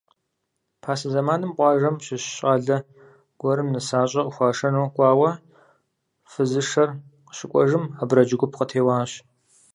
Пасэ зэманым къуажэм щыщ щӀалэ гуэрым нысащӀэ къыхуашэну кӀуауэ, фызышэр къыщыкӀуэжым, абрэдж гуп къатеуащ.